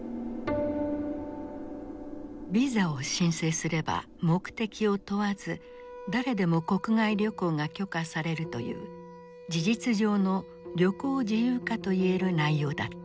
ビザを申請すれば目的を問わず誰でも国外旅行が許可されるという事実上の旅行自由化といえる内容だった。